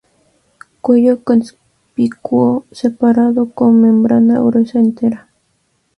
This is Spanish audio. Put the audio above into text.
Cuello conspicuo, separado, con membrana gruesa, entera.